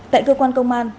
tại cơ quan công an